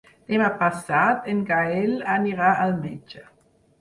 Demà passat en Gaël anirà al metge.